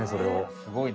すごいね。